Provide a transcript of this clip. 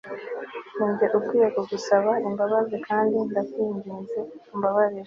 ninjye ukwiye kugusaba imbabazi kandi ndakwinginze umbabarire